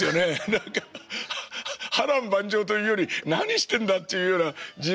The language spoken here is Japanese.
何か波乱万丈というより何してんだっていうような人生でしたけど。